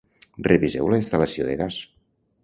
Reviseu la instal·lació del gas.